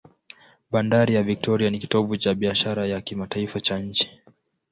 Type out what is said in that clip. Bandari ya Victoria ni kitovu cha biashara ya kimataifa cha nchi.